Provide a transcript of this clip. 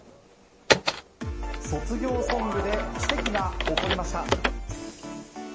卒業ソングで奇跡が起こりました。